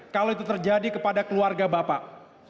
kalau itu terjadi kepada keluarga bapak